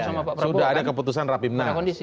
sudah ada keputusan rapibna